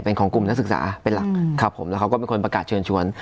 เป็นของกลุ่มนักศึกษาเป็นหลักครับผมแล้วเขาก็เป็นคนประกาศเชิญชวน